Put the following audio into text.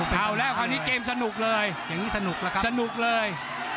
เอาแล้วคราวนี้เกมสนุกเลยอย่างนี้สนุกแล้วครับสนุกเลย